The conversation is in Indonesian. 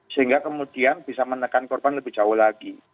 sehingga kemudian bisa menekan korban lebih jauh lagi